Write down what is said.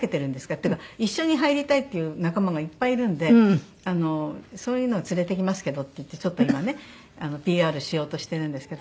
というか一緒に入りたいっていう仲間がいっぱいいるんでそういうのを連れてきますけどっていってちょっと今ねＰＲしようとしてるんですけど。